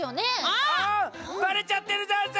ああっばれちゃってるざんす！